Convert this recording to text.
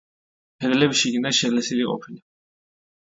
კედლები შიგნიდან შელესილი ყოფილა.